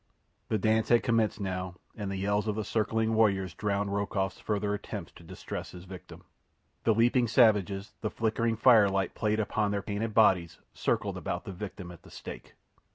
The dance had commenced now, and the yells of the circling warriors drowned Rokoff's further attempts to distress his victim. The leaping savages, the flickering firelight playing upon their painted bodies, circled about the victim at the stake.